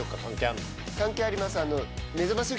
関係あります。